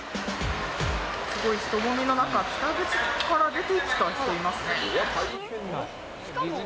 すごい人混みの中、北口から出てきた人、いますね。